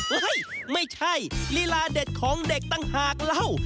เฮ้ยไม่ใช่ลีลาเด็ดของเด็กต่างหากเล่า